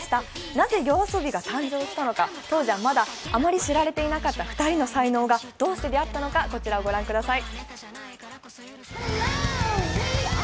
なぜＹＯＡＳＯＢＩが誕生したのか、当時はあまり知られていなかった、２人の才能がどう知り合ったのか、こちらをご覧ください。